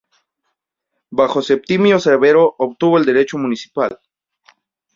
Bajo Septimio Severo obtuvo el derecho municipal.